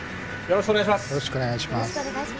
よろしくお願いします。